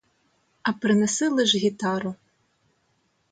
А принеси лиш гітару!